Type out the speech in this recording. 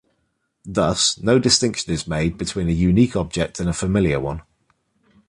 Thus, no distinction is made between a unique object and a familiar one.